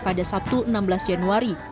pada sabtu enam belas januari